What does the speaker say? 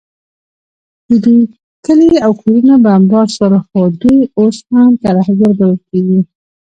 د دوی کلي او کورونه بمبار سول، خو دوی اوس هم ترهګر بلل کیږي